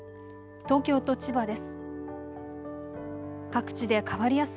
東京と千葉です。